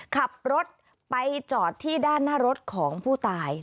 ขับรถไปจอดที่ด้านหน้ารถของผู้ตาย